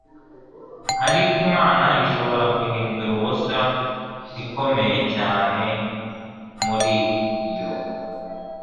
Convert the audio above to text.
ariko Imana ishobora guhindura ubusa ikomeye cyane muri yo